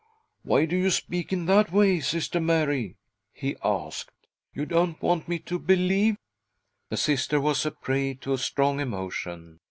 " Why do you speak in that way, Sister Mary ?" he askedj " You don't want me to believe " The S&ter was a prey to strong emotion.